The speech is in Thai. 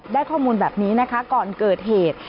ได้ข้อมูลแบบนี้นะคะก่อนเกิดเหตุ